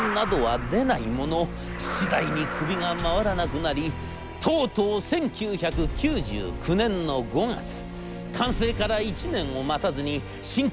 次第に首が回らなくなりとうとう１９９９年の５月完成から１年を待たずに新工場の売却が決定。